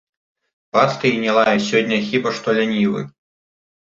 Партыі не лае сёння хіба што лянівы.